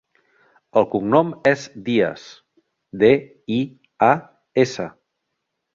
El cognom és Dias: de, i, a, essa.